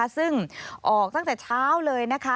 ซึ่งออกตั้งแต่เช้าเลยนะคะ